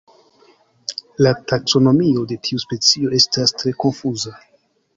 La taksonomio de tiu specio estas tre konfuza.